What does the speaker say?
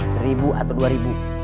seribu atau dua ribu